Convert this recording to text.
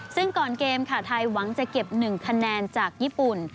ซึ่งก่อนเกมค่ะไทยหวังจะเก็บ๑คะแนนจากญี่ปุ่น